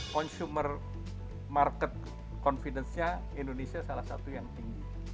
consumer market confidence nya indonesia salah satu yang tinggi